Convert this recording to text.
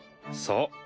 そう。